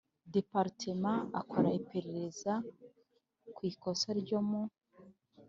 Department akora iperereza ku ikosa ryo mu